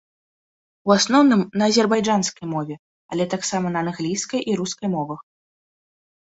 У асноўным на азербайджанскай мове, але таксама на англійскай і рускай мовах.